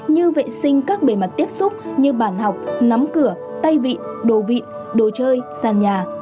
như vệ sinh các bề mặt tiếp xúc như bản học nắm cửa tay vị đồ vịn đồ chơi sàn nhà